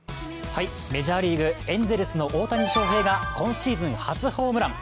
メジャーリーグ、エンゼルスの大谷翔平が今シーズン初ホームラン。